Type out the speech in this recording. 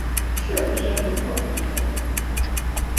是不是很讽刺呢？